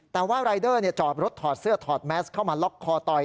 แต่ว่ารายเดอร์จอดรถถอดเสื้อถอดแมสเข้ามาล็อกคอต่อย